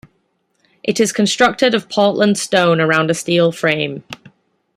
It is constructed of Portland stone around a steel frame.